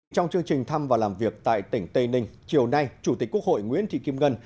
trong chương trình thăm và làm việc tại tỉnh tây ninh chiều nay chủ tịch quốc hội nguyễn thị kim ngân